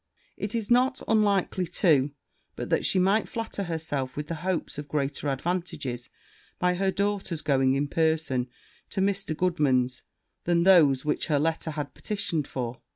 It is not unlikely, too, but that she might flatter herself with the hopes of greater advantages by her daughter's going in person to Mr. Goodman's, than those which her letter had petitioned for.